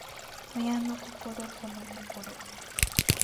親の心子の心